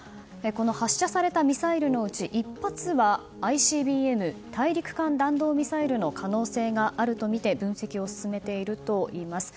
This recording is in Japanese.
発射されたミサイルのうち１発はＩＣＢＭ・大陸間弾道ミサイルの可能性があるとみて分析を進めているといいます。